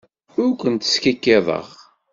Ur kent-skikkiḍeɣ.